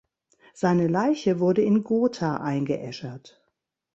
Seine Leiche wurde in Gotha eingeäschert.